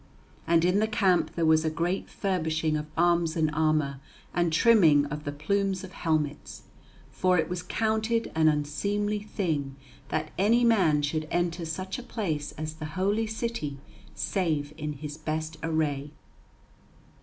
And in the camp there was a great furbishing of arms and armour, and trimming of the plumes of helmets, for it was counted an unseemly thing that any man should enter such a place as the Holy City save in his best array.